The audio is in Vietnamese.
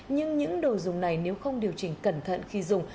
nhưng những đồ dùng này nếu không điều chỉnh cẩn thận khi dùng